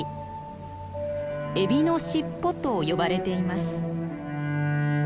「エビのシッポ」と呼ばれています。